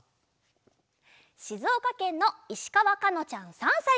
しずおかけんのいしかわかのちゃん３さいから。